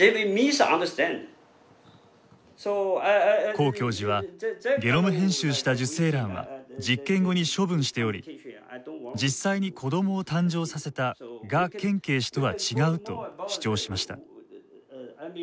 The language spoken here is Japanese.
黄教授はゲノム編集した受精卵は実験後に処分しており実際に子供を誕生させた賀建奎氏とは違うと主張しました。